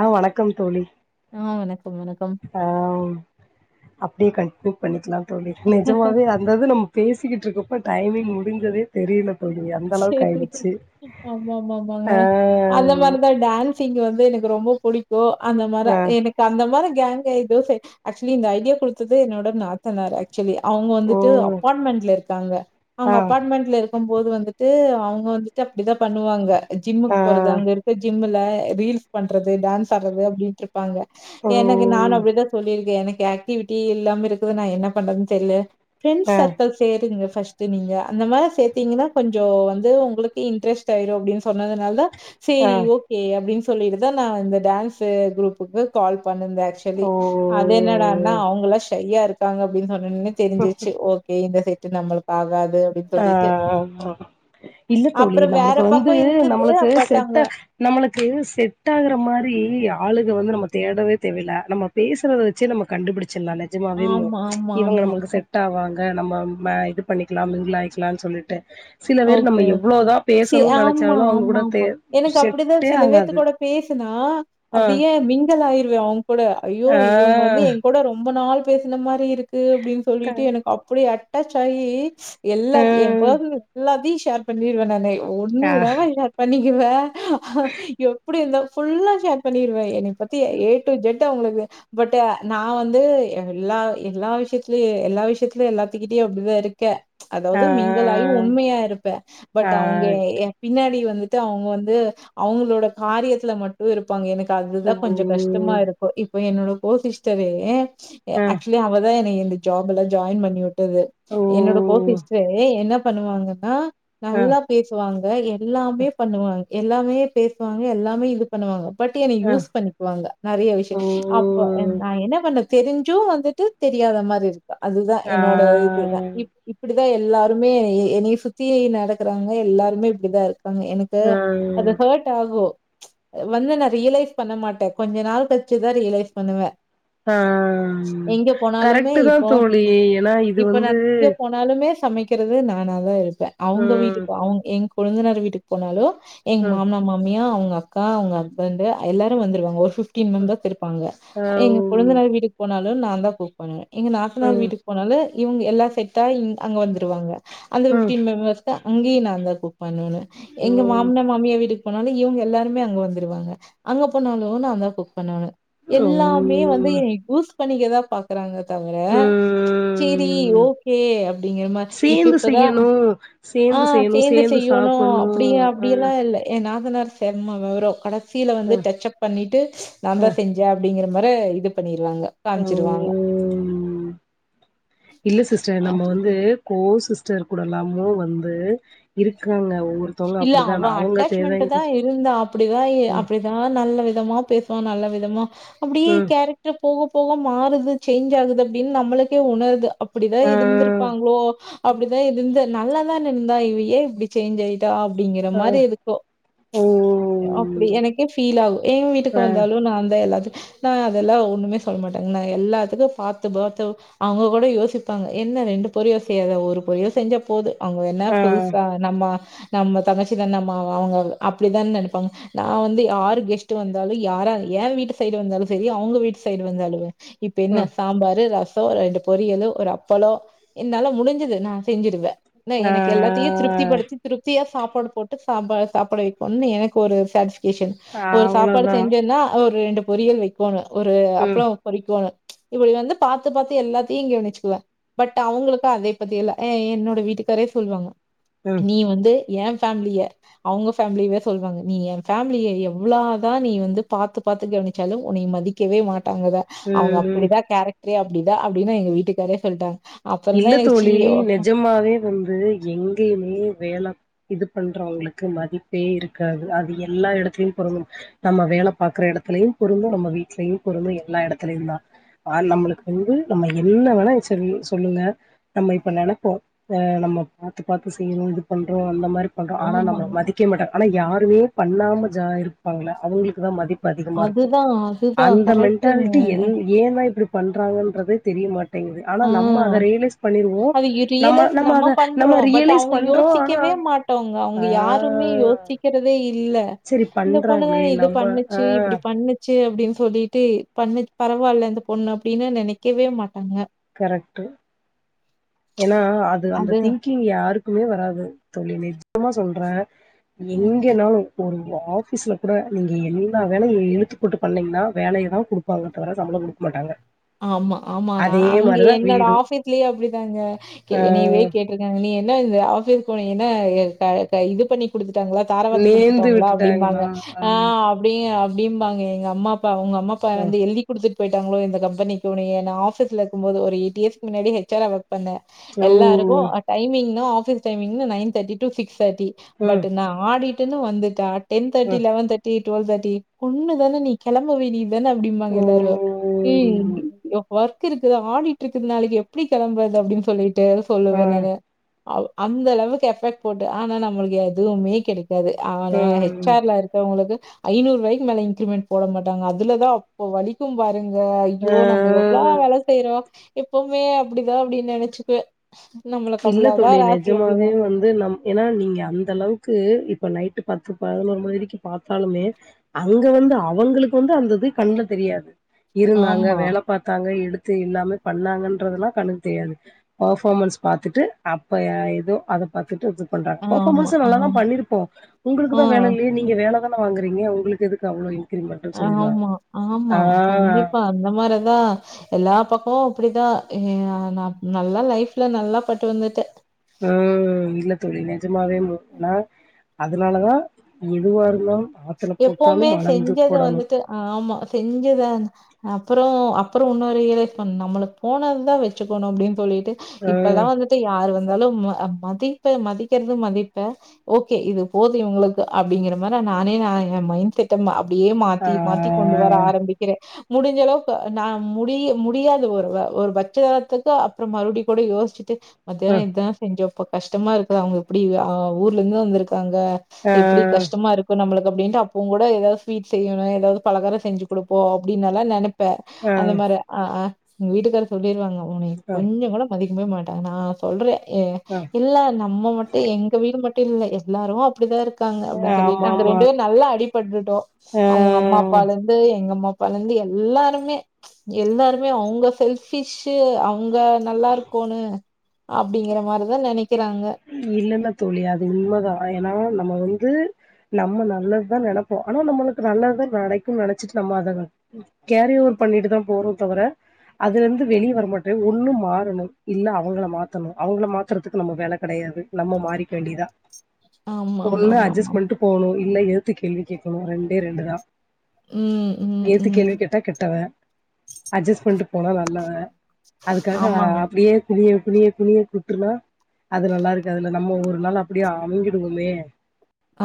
ஆ வணக்கம் தோழி ஆ வணக்கம், வணக்கம். ஆ அப்டியே கண்டிணு பண்ணிக்லா தொழி நிஜமாவே அந்தது நம்ம பேசிக்கிட்டு இருக்கப்ப டைமிங் முடிஞ்சதே தெரியல தோழி அந்த அளவுக்கு சேரி ஆயிடுச்சு ஆமா ஆமா ஆமாங்க ஆ அந்த மாரிதா டான்சிங் வந்து எனக் ரொம்ப புடிக்கு அந்த மாரி ஆ எனக்கு அந்த மாரி கேங்க எதோ ஆக்சுவலி இந்த ஐடியா குடுத்தது என்னோட நாத்தனார் சொல்லி அவங்க ஓ வந்துட்டு அப்பார்ட்மெண்ட்ல இருக்காங்க அவங்க ஆ அப்பார்ட்மெண்ட்ல இருக்கும் போது வந்துட் அவங்க வந்துட்டு அப்டிதா பண்ணுவாங்க ஜிம்முக்கு ஆ போறது அங்க இருக்க ஜிம்மு ல ரீல்ஸ் பண்றது டான்ஸ் ஆடுறது அப்டின்ட்டு இருப்பாங்க ஓ எனக்கு நானு அப்படிதா சொல்லிருக்கே எனக் ஆக்டிவிட்டி இல்லாம இருக்குது நா என்ன பண்றதுன் தெரில பிரண்ட்ஸ் ஆ சர்கிள் சேருங்க ஃபஸ்ட்டு நீங்க அந்த மாரி சேத்தீங்கன்னா கொஞ்சோ வந்து உங்களுக்கு இன்ட்ரெஸ்ட் ஆயிறு அப்டின்னு சொன்னதுனால ஆ சரி ஓகே அப்டின்னு சொல்லிட்டுதா நா இந்த டான்ஸ் குரூப்புக்கு கால் பண்ணிந்து ஆக்சுவலி அத என்னடானா ஓ அவங்கலா ஷய்யா இருக்காங்க அப்டின்னு சொல் ன்னு தெரிஞ்சிச்சு ஓகே இந்த செட்டு நம்மளுக்கு ஆகாது அப்டின் சொல்லிட்டு அ இல்ல தோழி அப்புறம் வேற நம்மளுக்கு வந்து பக்கம் இருக்குது. நம்மளுக்கு பட் அங்க செட்ட நம்மளுக்கு செட் ஆகுற மாரி ஆளுக வந்து நம்ம தேடவே தேவல நம்ம பேசுறத வச்சே நம்ம கண்டுபிடிச் சலா நஜமாவேமு ஆமா, ஆமா, இவங்க ஆமா. நமக்கு செட் ஆவாங்க நம்ம இது பண்ணிக்கலா மிங் மிங்லாயக்கலானு சொல்லிட்டு சில பேர் ஓகே. நம்ம எவ்ளோதா சி பேசணுனு ஆமா, நெனச்சாலு அவங்க ஆமா, கூட தே செட்டே ஆகாது பேசனா ஆ அப்டியே மிங்களாயி வே அவங் கூட ஐயோ ஆ இவங்க வந்து எ கூட ரொம்ப நாள் பேசுன மாரி இருக் க்கு அப்டின்னு சொல்லிட்டு எனக்கு அப்டி அட்டச்சாயி எல்லாத் எ ம் பசன எல்லாத்தையு ஷேர் பண்ணிருவே நானு ஒண்ணு ஆ விடாம ஏர் பண்ணி ருவ எப்டி இருந்த ஃபுல்லா ஷேர் பண்ணிருவே என்னைய பத்தி ஏ டு ஜெட் ட்ட உங்களுக்கு பட் நா வந்து எல்லா எல்லா விஷயத்திலையு எல்லா விஷயத்திலு எல்லாத்துக்கிட்டயு அப்டிதா இருக்க ஆ அதாவது மிங்கிளாயி உண்மையா இருப்ப பட் ஆ அவங்க எ பின்னாடி வந் ந்துட்டு அவங்க வந்து அவங்களோட காரியத்துல மட்டு இருப்பாங்க எனக்கு ஊ ததுதா கொஞ்ச கஷ்டமா இருக்கு இப்ப என்னோட கோ சிஸ்டரு எ ஆ ஆக்சுவலி அவதா எனய இந்த ஜாபுல ஜாயின் பண்ணிவுட்டது ஊ என்னோட கோ சிஸ்டரு என்ன பண்ணுவாங்கதா ஆ நல்லா பேசுவாங்க எல்லாமே பண்ணுவாங் எல்லாமே பேசஸ்வாங்க எல்லாமே இது பண்ணுவாங்கோ பட் என அ யூஸ் பண்ணிக்வாங்க நறிய விஷ்ய ஓ அப்போ ய நா என்ன கண்ணத் தெரிஞ்சு வந்துட்டு தெரியாத மாரி இருப்பா அதுதா ஆ என்னோட இதுதா இப் இப்புடி எல்லாருமே எ என்னிய சுத்தியே நடக்கறாங்க எல்லாருமே இப்டிதா இருக் காங்க எனக்கு ஆ அது ஹேட் ஆகு வந்த நா ரியலைஸ் பண்ணமாட்ட கொஞ்ச நாள் கல்ச்சுதா ரியலைஸ் பண்ணுவ ஆ எங்க போனாலுமே கரெக்ட்டு தா இப்போ தோழி ஏன்னா இது இப்போ நா வந்து [inaudible] போனாலுமே சமக்கிறது நானதா இருப்ப அவுங்க ம் வீட்டுக்கு அவுங் எங் கொழுந்தனார் வீட்டுக் போனாலோ எங் ம் மாம்னார் மாமியா அவுங் அக்கா அவுங் ஹக்பண்டு அ எல்லாரு வந்துருவாங்க ஒரு ஃபிஃப் டீம் மெம்பெர்ஸ் இருப்பாங்க அ ஓ எங்க கொழந்தனாரு வீட்டுக் போனாலு நாந்தா குக் பண்ணுவே எங்க நாத்தனார் ம் வீட்டுக் போனாலு இவுங் எல்லா செட்டா இங் அங்க வந்துருவாங்க அந்த ம் ஃப்ஃபிடீன் மெம்மஸ்கா அங்கியு நாந்தா குக் பண்ணுனு எங்க மாம்ன ஓ மாமியா வீட்டுக்கு போனாலு இவுங்க எல்லாருமே அங்க வந்துருவாங்க அங்க போனாலு நாந்தா குக் பண்ணோனு எல்லாமே வந்து ம் ஏ கூஸ் பண்ணிக்கதா பாக்குறாங்க தவிர சேரி ம் ஓகே அப்டிங்கிறமா சேந்து கீப்பிப்பதா செய்யணு ஆ சேந்து செய்யணு சேந்து செய்யோணு சாப்புட்ணு அப்டியா அ அப்டியெல்லா இல்ல ஏ நாதனார் செம்ம வெவரோ கடசீல அ வந்து டச்அப் பண்ணிட்டு நாந்தா அ செஞ்ச அப்டிங்கிற மரு இது பண்ணிர் ட்ங்க காம்ச்சிருவாங்க ம் இல்ல சிஸ்டர் நம்ம வந்து கோஸ் சிஸ்டர் கூடலாமோ வந்து இருக்காங்க ஒ இல்ல அவ அட்டாச்மெண்டு தா இருந்தா அப்டிதா எ ம் அப்டிதா நல்ல வி தமா பேஸ்வா நல்ல விதமா அப்டியே ம் கேரக்ட்ர போக போக மாருது சேஞ்ச் ஆகுது அப்டின் நம்மளுக்கே உணருது அப் இப்டிதா ஆ இருந்துருப்பாங்ளோ அப்டிதா இருந்த நல்லதான் இருந்தா இவ ஏ இப்டி சேஞ்ச் அயி டா அப்டிங்கிற ஆ மாரி இருக்கு அப்டி ம் எனக்கே ஃபீல் ஆகு ஏ வீட்டுக் ஆ வந்தாலு நாந்தா எல்லாத்துக் நா அதெல்லா ஒன்னுமே சொல்ல மாட்டங் நா எல்லாத்துக்கு பாத்து பாத்து வ் அவுங்க கோட யோசிப்பாங்க என் என்ன ரெண்டு பொரிய செய்யாத ஒரு பொரிய செஞ்ச போது அவுங்க என்ன ஆ புதுசா நம்மா நம்ம தங்கச்சிதானம்மா [unintelligible] அப்டிதா நெனிப்பாங் நா வந்து யாரு கெஸ்ட் வந்தாலு யாரல் ஏ வீட்டு சைடு வந்தாலு செரி அவுங்க வீட்டு சைடு வந்தாலுமே இப்ப என்ன ம் சாம்பாரு ரஸ் சோ ரெண்டு பொரியலு ஒரு அப்பளோ என்னால முடிஞ்சுது நா செஞ்சுருவ ந ஆ எனக்கு எல்லாத்தியு திருப்திப்படுத்தி திருப் கியா சாப்பாடு போட்டு சாம்பாரே சாப்பட வைக்கொன்னு எனக்கு ஒரு சாக்ஸ் கேஷன் ஒரு சாப்பாடு அவ்ளோதா செஞ்சோன்னா ஒரு ரெண்டு பொரியல் வெக்கோணு ஒரு ம் அப்ளோ பொறிக்கோணு இபுடி வந்து பாத்துப் பாத்து எல்லாத்யு கெவ்னிச்சுகுவ பட் அவங்களுக்கு அதே பத்தி எல்ல எ என்னோட வீட்டுக் தரே சொல்வாங்க ம் நீ வந்து எ பேம்லிய அவுங்க பேம்லிய்வே சொல்வாங்க நீ ஏ பேம்லிய எவ்ளா தா நீ வந்து பாத்து பாத்து கவனிச்சாலு ஒன்னய மதிக்கவே மாட் டாங்கத அவுங்க ம் அப்புதா கேரக்ட்ரே அப்டிதா அப்டினு எங்க வீட்டுக்காரே சொல்ட்டாங் இல்ல தோழி நெஜமாவே வந்து எங்கேமே வேல இது பண்றவ்ங்ளுக்கு மதிப்பே இருக்காது அது எல்லா எடத்துலயு பொருந்தும் நம்ம வேல பாக்குரே விளத்துலயு பொருந்து நம்ம வீட்லயு பொருந்து எல்லா எடத்துலயு தா ஆ நம்முளுக்கு வந்து நம்ம என்ன வேணாயு சலி சொல்லுங்க நம்ம இப்ப நெனப்போ நம்ம பாத்து பாத்து செய்யறு இது பண்றோ அந்த மாரி பண்றோ ஆனா ஆமா நம்மள மதிக்க மாட்ட ஆனா யாருவே பண்ணாம ஜா இருப்பாங்ள அவுங்ளுக்கு தா மதிப் பதிகமா இருக்கு அதுதான் அதுதான் அந்த கரெக்ட்டுங்க. மென்டாலிட்டி என் ஏன்னா இப்புடி பண்றாங்கன்றதே தெரிய மாட்டேங்கிது ஆனா ஆ நம் ம்ம அத ரியலைஸ் பண்ணிருவோ அது நம்ம ரியலைஸ் நம்ம அத நம்ம பண்றோம். பட் ரியலைஸ் அவங்க பண்றோ ஆனா யோசிக்கவே மாட்டோங்க. அவங்க ஆ யாருமே யோசிக்கிறதே இல்ல செரி இந்த பண்றாங்களே பொண்ணுதானே இது நம்ம ஆ பண்ணுச்சு இப்படி பண்ணுச்சு அப்படின்னு சொல்லிட்டு பண்ணு பரவால்ல இந்த பொண்ணு அப்படின்னு நினைக்கவே மாட்டாங்க கரெக்ட்டு ஏன்னா அது அந்த திங்கிங் யாருக்குமே வராது தோழி சத்தியமா சொல்றே எங்கனாலு ஒரு ஆபீஸ்ல கூட நீங்க என்ன வேலை எழுத்துப்போட்டு பண்ணீங்கன்னா வேலையை தான் கொடுப்பாங்க தவிர சம்பள கொடுக்க மாட்டாங்க ஆமா ஆமா நா அதே அங்கே மாரிதா என்னோட வீடு ஆபீஸ்லயே அப்படிதாங்க ஆ என்னைவே கேட்ருக்காங்க நீ என்ன இந்த ஆபீஸ் என்னா இது பண்ணி கொடுத்து தாரவாத்து நேந்து குடுத்துட்டாங்களா அப்படிம்பாங்க விட்டுட்டாங்களா ஆ அப்டி அப்படிம்பாங்க எங்க அம்மா உங்க அம்மா அப்பா வந்து எழுதி கொடுத்துட்டு போயிட்டாங்களோ இந்த கம் ண்ணிக்க ஆபீஸ்ல இருக்கு போது ஒரு எய்ட் இயர்ஸ்க்கு முன்னாடி ஹச்ஆரா ஒர்க் பன்ன ஆ ஓ எல்லாருக்கும் timing office timing nine thirty ூ சிக்ஸ் தட்டி ஆ பட் நான் ஆடிட்டுன்னு வந்துட்டா டென் ஆ தேர்ட்டி லெவன் தேர்டி டூவல்தேட்டி பொண்ணுதானே நீ கிளம்பவே நீது தானே அப்படிம்பாங்க ஓ எல்லாரும் ம் ஒர்க் இருக்குது ஆடிட் இருக்குது நாளைக்கு எப்படி கிளம்புறது அப்படின்னு சொல்லிட்டு ஆ சொல்லுவே நானு அந்த லெவலுக்கு எஃபெக்ட் போட்டு ஆனா நம்மளுக்கு எதுவுமே கிடைக்க து ஆனா ஆ ஹெச்ஆர்ல இருக்கவங்களுக்கு ஐநூறுூாய்கு மேல இன்கிரிமெண்ட் போட மாட்டாங்க அதுலதான் அப்ப வலிக்கும் பாருங்க ஐயோ நம்ம எவ்வளவு ஆ வேலை செய்யறோ எப்பவுமே அப்படிதான் அப்படின்னு நினைச்சுக்குவ இல்ல தோழி நிஜமாவே வந்து நம் ஏன்னா நீங்க அந்த அளவுக்கு இப்ப நைட்டு பத்து பதினொரு மணிவரைக்கு பார்த்தாலுமே அங்க வந்து அவங்களுக்கு வந்து அந்தது கண்ணல தெரியாது இருந்தாங்க ஆமா வேலை பார்த்தாங்க எடுத் து எல்லாமே பண்ணாங்கன்றதுல்லா கண்ணுக்கு தெரியாது பர்ஃபாமென்ஸ் பார்த்துட்டு அப்ப ஏதோ அத பார்த்துட்டு து பண்ற ஆமா பர்ஃபார்மன்ஸ் நல்ல தான் ஆம் பண்ணிருப்போ உங்களுக்கு ஆ தான் வேலை இல்லையே நீங்க வேலை தான சம்பளம் வாங்குறீங்க உங்களுக்கு எதுக்கு அவ்வளோ ஆமா ஆமா கண்டிப்பா அந்த மாரிதா எல்லா பக்க இப்போ அப்படிதான் நான் நல்லா லைஃப்ல நல்லா பட்டு வந்துட்ட ம் இல்ல தோழி நிஜமாவே ஆனா அதனால தான் எதுவா இருந்தாலு எப்பவுமே செஞ்சது வந்துட்டு ஆமா செஞ்சத அப்புறம் அப்புறம் இன்னும் ரியலைஸ் பண்ண நம்மளுக்கு போனதுதான் வச்சுக்கணு அப்படின்னு சொல்லிட்டு ஆ இப்பல்லா வந்துட்டு யார்ரு வந்து மதிப்ப மதிக்கறிறது மதிப்ப ஓகே இது போதுும் இவங்களுக்கு அப்படிங்கிற மாரி நானே நான் என் மைண்ட் செட்ட அப்படியே ஆ மாத்தி மாத்தி கொண்டு வர ஆரம்பிக்கிறே முடிஞ்சளவுக்கு நான் முடிய முடியாது ஒரு ஒரு பட்சத்துக்கு அப்புறம் மறுபடிய கூட யோசிச்சுட்டு அ மத்தியானம் இதுதான் செஞ்சோ இப்ப கஷ்டமா இருக்குது அவங்க எப்படி ஊர்ல இருந்து வந்திருக்கு இருக்காங்க ஆ எப்படி கஷ்டமா இருக்கும் நம்மளுக்கு அப்படின் அப்பவும் கூட ஏதாவது ஸ்வீட் செய்யணும் ஏதாவது பலகராம் செஞ்சு கொடுப்போ அப்படின்னால நினப் ப்ப ஆ அந்த மாரி ஆ ஆ எங்க வீட்டுக்கார சொல்லிிருவாங்க உன்னை ஆ கொஞ்சம் கூட மதிக் க மாட்டாங்க நான் சொல்றே ஆ இல்ல நம்ம மட்டும் எங்க வீடு மட்டும் இல்ல எல்லாரு அப்டிதான் இருக்காங்க அப்படினு சொலிட் ஆமா நாங்க ஆமா ரெண்டுபேர் நல்லா அடிபட்டுட்டோ ஆ அவுங்க அம்மா அப்பாலருந்து எங்க அம்மாப்பாலந்து எல்லாருமே எல்லாருமே அவுங்க செல்ஃபிஷீ அவுங் அவங்க நல்லாருக்கூனுு அப்படிங்கற மாரிதான் நினைக் இல்லன்னா தோழி அது உண்மதா அ எனா நம்ம வந்து நம்ம நல்ல த்தா நெனப்போ ஆனா நம்மளுக்கு நல்லது தா கெடக்குனு நினைச்சிட்டு நம்ம அத கேரே ரு [unintelligible] பண்ணிட்டு தா போறோ தவர அதுலருந்து வெளியே வர மாட்டேன் ஒண்ணு மாறணும் இல்ல அவங்ள மாத்தணும் அவங்கள மாத்துறதுக்கு நம்ம வேலக் கடையாது நம்ம மாறிக்க வேண்டிதா ஆமா ஆமா ஒண்ணு ஆமா அட்ஜஸ் ஆமா பண்ட்டு போவுணு இல்ல எதுத்து கேள்வி கேக்கணு ரெண்டே ரெண்டு தா ம் ம் எதுத்து ம் கேள்வி கேட்டா கெட்டவ அட்ஜஸ் பண்ட்டு போனா நல்லவ அதுக்காக அ ஆமாங்க. அப்டியே குனிய குணிய குணிய குத்துனா அது நல்லாருக்காதுல நம்ம ஒரு நாள் அப்பிடியே அமிங்கிடுவுல்லே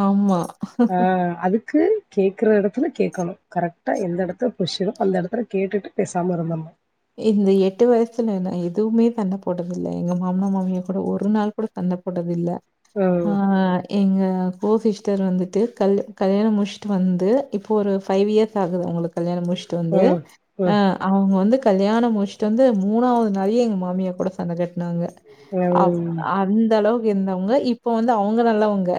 ஆம்மா கு கேக்குற எடத்துல கேக்கணு கரெக்டா எந்த எடத்துல புஷ்ஷோ அந்தெடத்துல கேட்டுட்டு பேசாம இருந்தர்னு இந்த எட்டு வர்ஷத்ல நா எதுமே சண்ட போட்டதுல்ல எங்க மாமனா மாமியா கூட ஒரு நாள் கூட சண்ட போட்டதில்ல அ ம் எங்க கோசிஸ்டர் வந்திட்டு கல் கல்யாண முடிச்ட்டு வந்து இப்போரு ஃபைவ் இயர்ஸ் ஆகுது அவுங்களுக்கு கல்யாண முடிச் ச்ட்டு வந்து ம் அ அவுங்க வந்து கல்யாண முடிச்ட்டு வந்து மூணாவது நாளே எங்க மாமியா கூட சண்டை கட்னாங்க அப் ம் அந்தளவுக்கு இருந்தவுங்க இப்ப வந்து அவுங்க நல்லவுங்க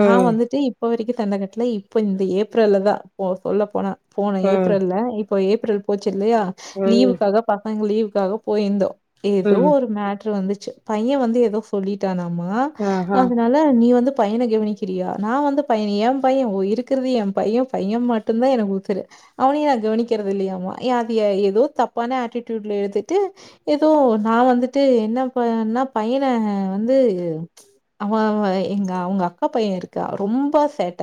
நா ம் வந்துட்டு இப்ப வரைக்கு சண்ட கட்ல இப்ப இந்த ஏப்ரல்ல தா போ சொல்ல போனா போன ம் ம் ஏப்ரல்ல இப்போ ஏப்ரல் போச்சில்லையா ம் லீவுக்காக பசங்க லீவ் க்காக போயிருந்தோ ஏதோ ம் ஒரு மேட்ரு வந்துச்சு பைய வந்து ஏதோ சொல்லிட்டானா அமா ஆஹா அதனால நீ வந்து பையன கவனிக்கிறியா நா வந்து பையன எம் பைய இருக்கறது எம் பைய பைய மட்டுந்தா எனக்கு உசுரு அவனையு நா கவனிக்கிறதில்லையாமா எ அது எதோ தப்பான ஆட்டிட்யூடுல எடுத்திட்டு எதோ நா வந்துட்டு என்ன பன்ன பையன வந்து அவ அவ எங்க அவங்கக்கா பைய இருக்கா ரொம்ப சேட்ட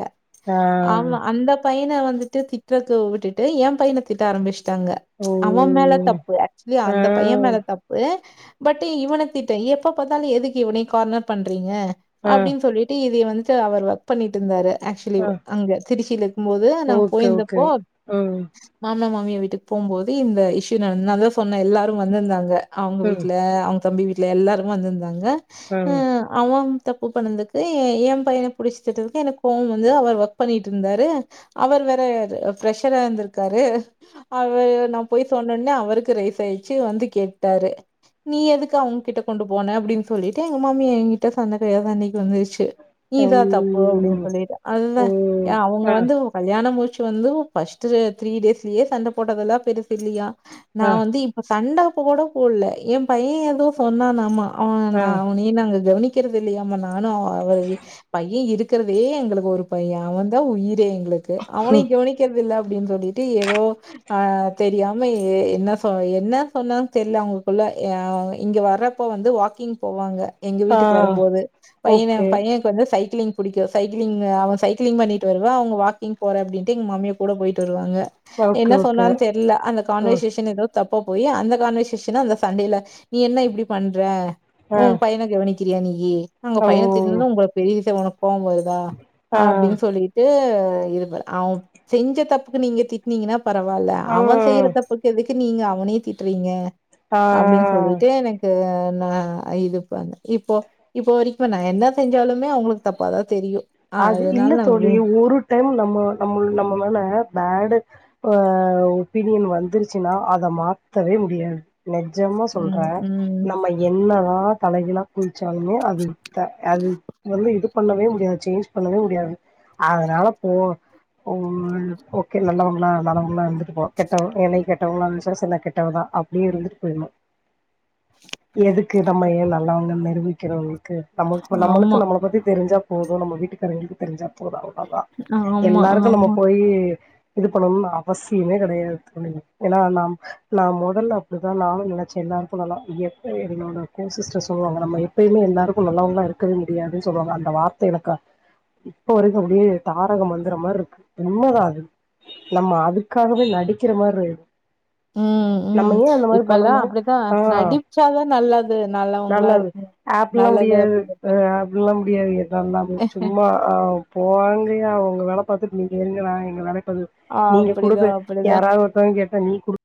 ஆ ஆமா அந்த பையன வந்துட்டு திட்றது விட்டுட்டு எம் பையன திட்ட ஆரம்பிச் டாங்க ஓ அவ மேல தப்பு ஆக்சுவலி ஆ அந்த பைய மேல தப்பு பட் இவன திட்ட எப்ப பாத்தாலு எதுக்கு இவனயே கார்னர் பண்றீங்க ஆ அப்டினு சொல்லிட்டு இதய வந்துட்டு அவர் ஒர்க் பண்ணிட்ருந்தாரு ஆக்சுவலி ஆ அங்க திருச்சில இருக்கும்போது நாங் ஓகே, ஓகே. போயிருந்தப்போ ம், மாமனார் மாமியா வீட் திப்பும்போது இந்த இஷ்யு நடந்து நா அதா சொன்னே எல்லாரு வந்திருந்தாங்க அவுங்க ம், வீட்ல அவுங் தம்பி வீட்ல எல்லாருமே வந்திருந்தாங்க ஆ. அ அவ தப்பு பண்ணதுக்கு எ எம் பையன பிடிச்சி திட்ரதுக்கு எனக்கு கோவ வந்து அவர் ஒர்க் பண்ணிட்ருந்தாரு அவர் வேற பிரஷரா இருந்திருக்காரு அவர் நாம் போய் சொன்னொனே அவருக்கு ரெய்ஸ் ஆயிருச்சு வந்து கேட்டாரு நீ எதுக்கு அவுங்ககிட்ட கொண்டு போன அப்டினு சொல்லிட்டு எங்க மாமியா எங்கிட்ட சந்த கை சண்டைக்கு வந்துருச் ச்சு நீ தா தப்பு அப்டினு அய்யய்யோ! சொல்லிட்டு அதுதா ஓ! ஏ அவுங்க ஆ, வந்து கல்யாண முடிச் வந்து ஃபஸ்ட் த்ரீ டேஸ்லயே சண்டை போட்டதல்லா பெருசில்லியா நா ஆ, வந்து இப்ப சண்ட கோட போடுல எம் பைய ஏதோ சொன்னானாமா அவ ஆ, நா அவனயே நாங்க கவனிக்கிறதில்லையாமா நா னு அவரு வி பைய இருக்கறதே எங்ளுக்கு ஒரு பைய அவந்தா உயிரே எங்ளுக்கு அவனய கவனிக்கிறதில்ல அப்டினு சொல்லிட்டு எதோ அ தெரியாம ஏ என்ன சொன் என்ன சொன்னான் தெர்ல அவுங்களுக்குள்ள எ இங்க வர்றப்போ வந்து வாக் கிங் போவாங்க எங்க ஆ. வீட்டுக்கு வரும்போது பையன ஓகே. பையனுக்கு வந்து சைக் கிளிங் பிடிக்கு சைக்கிளிங் அவ சைக்கிளிங் பண்ணிட்டு வருவா அவங்க வாக்கிங் போறே அப்டின்ட்டு எங்க மாமியா கூட போய்ட்டு வருவாங்க என்ன ஓக்க ஓகே சொன்னான்னு தெர்ல அந்த அ, கான்வர்சேஷன் எதோ தப் பாபோயி அந்த கான்வர்சேஷனு அந்த சண்டைல நீ என்ன இப்டி பண்ற ஆ. உம் பையன கெவுனிக் கிறியா நீயி உங்க ஓ! பையன திட்னது உங்களுக் பெரிய விசய உனக்கு கோவ வருதா ஆ, அப்டினு சொல்லிட்டு இருவ அவ செஞ்ச தப்புக்கு நீங்க திட்னிங்கனா பரவால்ல ஆ, அவ செய்யற தப்புக்கு எதுக்கு நீங்க அவனய திட்றிங்க அப்டினு ஆ. சொல்லிட்டு எனக்கு நா இது பண்ண இப்போ இப்போ வரைக்கு நா என்ன செஞ்சாலுமே அவங்களுக்கு தப்பாதா தெரியு ஆ அது இல்ல அதனால நா தோழி ஒரு டைம் நம்ம நம்ம நம்ம மேல பேடு அ ஒபீனியன் வந்துருச்சுனா அத மாத்தவே முடியாது நெஜம்மா சொல்ற ம் ம் நம்ம என்னதா தலகிழா குதிச்சாலுமே அது த அது வந்து இது பண்ணவே முடியாது சேன்ச் பண்ணவே முடியாது அதனால போ ஓ ஓகே நல்லவங்கல்லா நல்லவங்கல்லா இருந்துட்டு போ கெட்டவங் கெட்டவங்காள இருந்துச்சா நா கெட்டவுதான் அப்டியே இருந்துட்டு பெய்ணும் எதுக்கு நம்ம ஏன் நல்லவங்க நிரூபிக்கணு அவுங்களுக்கு நம்மள் ஆமா நம்மளுக்கு நம்மள பத்தி தெரிஞ்சா போதும் நம்ம வீட்டுக்காரங்களுக்கு தெரிஞ்சா போதும் அவ்ளோதா ஆமா எல்லாருக்கு நம்ம ஆமா போயி இது பண்ணணும்னு அவசியமே கெடையாது துணைவி ஏன்னா நாம் நா மொதல்ல அப்டிதா நானு நினைச்சே எல்லாருக்கு நல்லா எப்பயு என்னோட கோ சிஸ்டர் சொல்வாங்க நம்ம எப்பயுமே எல்லாருக்கு நல்லவங்கள இருக்கவே முடியாதுன் சொல்லுவாங்க அந்த வார்த்த எனக்கா இப்ப வரைக்கும் அப்படியே தாரக மந்திர மாதிரி இருக்கு உண்மதான அது நம்ம அதுக்காகவே நடிக்கிற மாரு ம் ம் இப்பல்லா அப்படித்தா ஆ நடிச்சாதா நல்லது நல்லவங்களா இருக்க ஆப்பல்லாம் முடியாது அ ஆப்பல்லாம் முடியாது எல்லாதாமே சும்மா அ போவாங்கய அவங்க வேல பாத்துட்டு நீங்க எங்க வ எங்க வேல [unintelligible] நீங்க கொடுக்க அப்படிதான் அப்படிதான். யாராவது ஒருத்தவனு கேட்ட நீ குடு